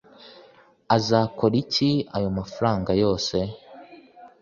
Uzakora iki ayo mafaranga yose